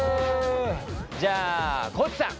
じゃあ地さん。